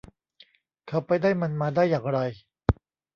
เขาไปได้มันมาได้อย่างไร